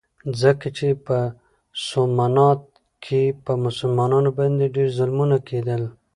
ځکه چې په سومنات کې په مسلمانانو باندې ډېر ظلمونه کېدل.